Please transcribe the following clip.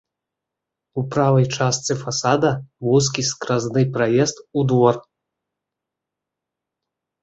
У правай частцы фасада вузкі скразны праезд у двор.